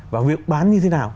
và việc bán như thế nào